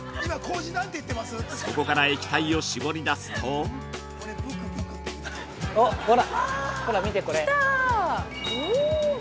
そこから液体を搾り出すと◆ほら、見て、これ。